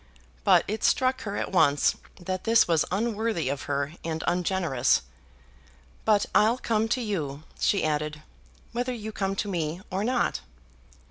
But it struck her at once that this was unworthy of her, and ungenerous. "But I'll come to you," she added, "whether you come to me or not."